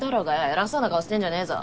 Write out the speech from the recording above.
偉そうな顔してんじゃねぇぞ。